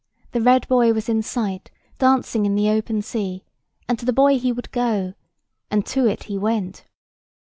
The red buoy was in sight, dancing in the open sea; and to the buoy he would go, and to it he went.